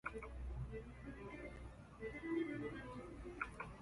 Con esta era trajo de moda lo gótico, cabello negro, lacio y muy liso.